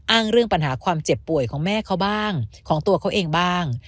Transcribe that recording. เรื่องปัญหาความเจ็บป่วยของแม่เขาบ้างของตัวเขาเองบ้าง